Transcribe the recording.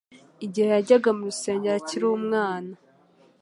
Igihe yajyaga mu rusengero akiri umwana,